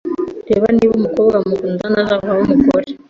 reba niba umukobwa mukundana azavamo umugore